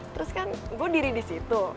terus kan gue diri disitu